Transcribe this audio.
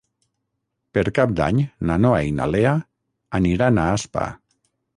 Per Cap d'Any na Noa i na Lea aniran a Aspa.